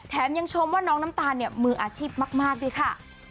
แถมยังชมว่าน้องน้ำตาลมืออาชีพมากดีค่ะ